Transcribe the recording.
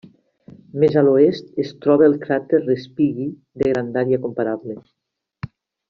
Més a l'oest es troba el cràter Respighi, de grandària comparable.